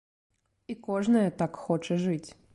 І кожнае так хоча жыць!